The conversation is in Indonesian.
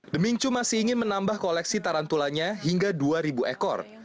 demingcu masih ingin menambah koleksi tarantulanya hingga dua ribu ekor